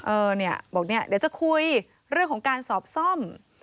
เออเนี่ยบอกเนี่ยเดี๋ยวจะคุยเรื่องของการสอบซ่อม